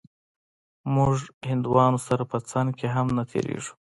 موږ هندوانو سره په څنگ کښې هم نه تېرېږو.